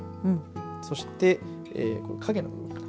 そして影の部分かな。